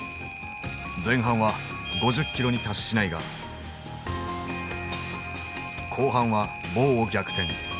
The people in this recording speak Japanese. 前半は５０キロに達しないが後半はボウを逆転。